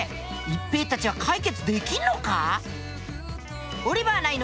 一平たちは解決できんのか！？